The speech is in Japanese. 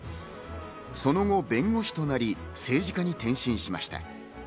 その後、弁護士となり、政治家に転身しました。